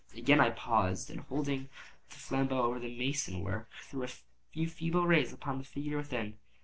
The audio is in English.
I again paused, and holding the flambeaux over the mason work, threw a few feeble rays upon the figure within.